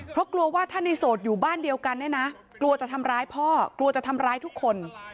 เพราะกลัวว่าถ้าในโสดอยู่บ้านเดียวกันเนี่ยนะกลัวจะทำร้ายพ่อกลัวจะทำร้ายทุกคน